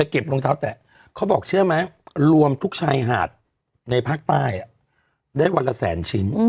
เค้าบอกเชื่อไหมลวมทุกชายหาดในภาคใต้ได้วันละแสนชิ้น